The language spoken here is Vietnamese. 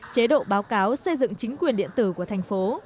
chế độ báo cáo xây dựng chính quyền điện tử của thành phố